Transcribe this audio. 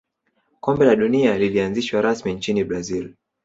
kombe la dunia lilianzishwa rasmi nchini brazil